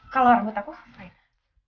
kalau rambut aku apa itu